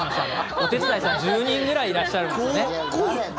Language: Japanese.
お手伝いさん１０人ぐらいいらっしゃるんですよね。